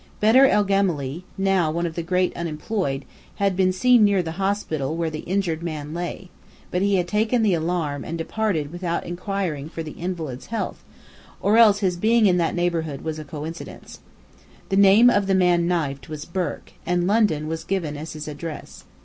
Bedr el Gemály, now one of the great unemployed, had been seen near the hospital where the injured man lay; but he had taken the alarm and departed without inquiring for the invalid's health; or else his being in that neighbourhood was a coincidence. The name of the man knifed was Burke, and London was given as his address.